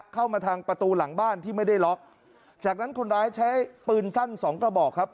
เข้ามาทางประตูหลังบ้านที่ไม่ได้ล็อกจากนั้นคนร้ายใช้ปืนสั้นสองกระบอกครับ